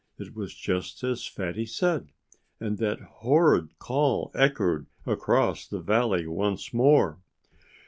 It was just as Fatty said. And that horrid call echoed across the valley once more.